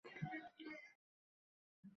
চারটি উট নিম্নপ্রান্ত দিয়ে এগিয়ে আসতে দেখেন।